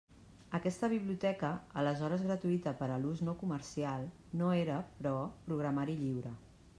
Aquesta biblioteca, aleshores gratuïta per a l'ús no comercial, no era, però, programari lliure.